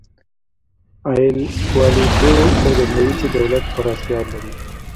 اېل کورالیټو څرګندوي چې دولت پوره اختیار لري.